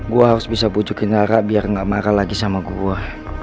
gue harus bisa bujukin lara biar gak marah lagi sama gue